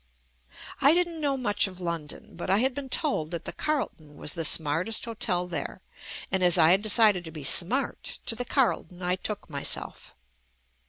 I didn't know much of London, but I had been told that the Carlton was the smartest ho tel there, and as I had decided to be "smart," to the Carlton I took myself.